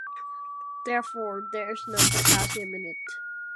Therefore, there is no potassium in it.